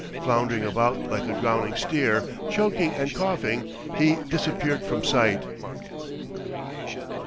Floundering about like a drowning steer, choking and coughing, he disappeared from sight.